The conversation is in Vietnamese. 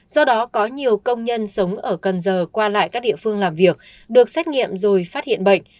do đó có nhiều công nhân sống ở cần giờ qua lại các địa phương làm việc được xét nghiệm rồi phát hiện bệnh